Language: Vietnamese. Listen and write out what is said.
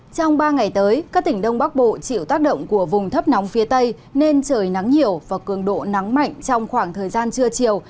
trong ba ngày tới các tỉnh đông bắc bộ chịu tác động của vùng thấp nóng phía tây nên trời nắng nhiều và cường độ nắng mạnh trong khoảng thời gian trưa chiều